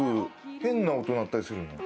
変な音鳴ったりするよね